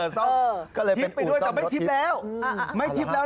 แต่ไม่ทิพย์แล้วไม่ทิพย์แล้ว